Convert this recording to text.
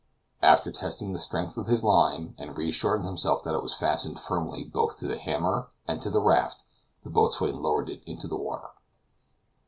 After testing the strength of his line, and reassuring himself that it was fastened firmly both to the hammer and to the raft, the boatswain lowered it into the water.